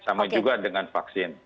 sama juga dengan vaksin